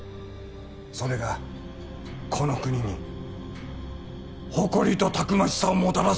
それがこの国に誇りとたくましさをもたらすんだよ。